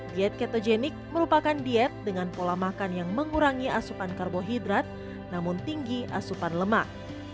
diet ketogenik merupakan diet dengan pola makan yang mengurangi asupan karbohidrat namun tinggi asupan lemak